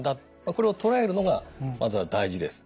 これをとらえるのがまずは大事です。